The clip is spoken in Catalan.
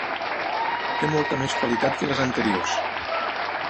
Té molta més qualitat que les anteriors.